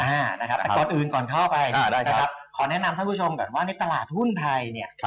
แต่ก่อนอื่นก่อนเข้าไปนะครับขอแนะนำท่านผู้ชมก่อนว่าในตลาดหุ้นไทยเนี่ย